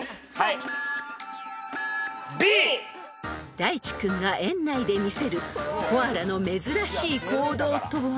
いち君が園内で見せるコアラの珍しい行動とは］